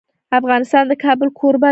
افغانستان د کابل کوربه دی.